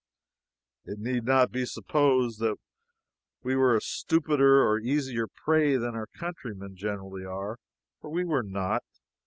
It need not be supposed that we were a stupider or an easier prey than our countrymen generally are, for we were not.